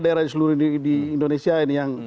daerah di seluruh indonesia ini